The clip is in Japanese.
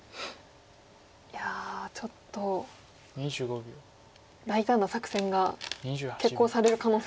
いやちょっと大胆な作戦が決行される可能性も。